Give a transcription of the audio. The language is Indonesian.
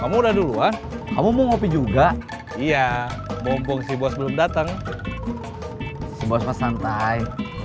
kamu udah duluan kamu mau ngopi juga iya bompong si bos belum datang si bos santai